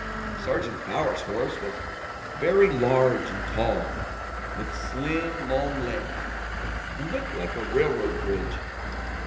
Sergeant Bowers's horse was very large and tall, with slim, long legs, and looked like a railroad bridge.